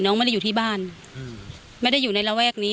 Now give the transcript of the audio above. ไม่ได้อยู่ที่บ้านไม่ได้อยู่ในระแวกนี้